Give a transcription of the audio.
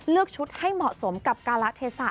ชุดให้เหมาะสมกับการละเทศะ